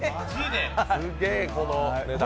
すげ、この値段で。